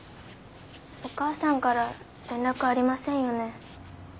お母さんから連絡ありませんよね？